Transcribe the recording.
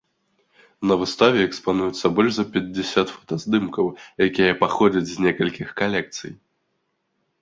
На выставе экспануецца больш за пяцьдзясят фотаздымкаў, якія паходзяць з некалькіх калекцый.